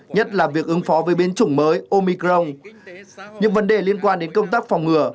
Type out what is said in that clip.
nhất là việc ứng phó với biến chủng mới omicron những vấn đề liên quan đến công tác phòng ngừa